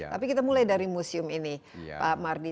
tapi kita mulai dari museum ini pak mardi